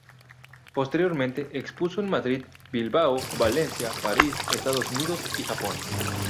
Posteriormente, expuso en Madrid, Bilbao, Valencia, París, Estados Unidos y Japón.